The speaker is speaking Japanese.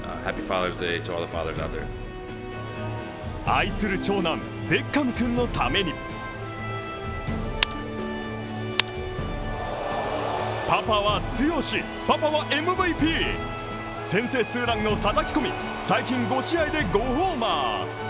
愛する長男ベッカムくんのためにパパは強し、パパはＭＶＰ先制ツーランを叩き込み、最近５試合で５ホーマー。